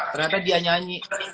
ternyata dia nyanyi